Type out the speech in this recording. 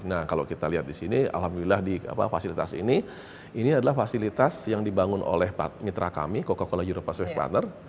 nah kalau kita lihat di sini alhamdulillah di fasilitas ini ini adalah fasilitas yang dibangun oleh mitra kami coca cola euro pacific partner